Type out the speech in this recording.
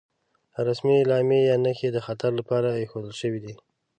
رسمي علامې یا نښې د خطر لپاره ايښودل شوې دي.